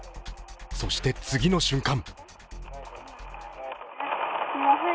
そして次の瞬間。